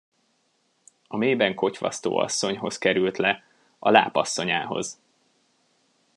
A mélyben kotyvasztó asszonyhoz került le, a láp asszonyához.